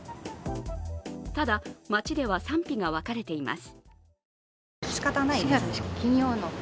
ただ、街では賛否が分かれています。